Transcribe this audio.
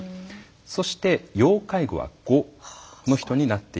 そして要介護は５の人になっています。